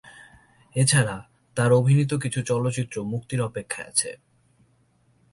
এছাড়া তার অভিনীত কিছু চলচ্চিত্রে মুক্তির অপেক্ষায় আছে।